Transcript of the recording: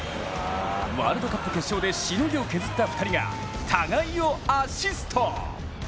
ワールドカップ決勝でしのぎを削った２人が互いをアシスト。